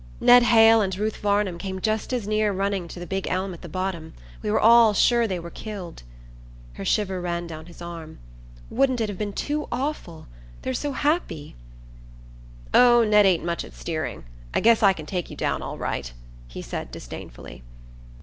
"Ned Hale and Ruth Varnum came just as near running into the big elm at the bottom. We were all sure they were killed." Her shiver ran down his arm. "Wouldn't it have been too awful? They're so happy!" "Oh, Ned ain't much at steering. I guess I can take you down all right!" he said disdainfully.